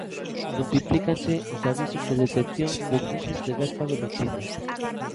Multiplícanse os avisos de detección de niños de vespa velutina.